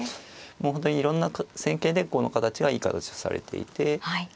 もう本当にいろんな戦型でこの形はいい形とされていて。